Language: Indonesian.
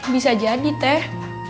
bisa jadi teh